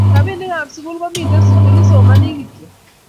Rapinik ab sukul komiten tukul isoman kityok